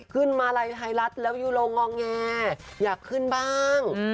มาลัยไทยรัฐแล้วยูโรงองแงอยากขึ้นบ้าง